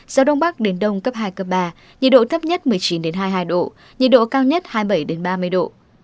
gió đông bắc đến đông cấp hai cấp ba nhiệt độ thấp nhất một mươi chín hai mươi hai độ nhiệt độ cao nhất hai mươi bảy ba mươi độ